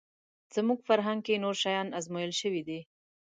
زموږ فرهنګ کې نور شیان ازمویل شوي دي